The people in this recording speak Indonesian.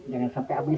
jangan sampai abis gitu